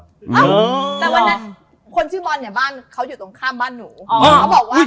แต่วันนั้นคนชื่อบอลเนี่ยบ้านเค้าอยู่ตรงข้ามบ้านหนู